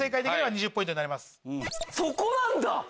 そこなんだ！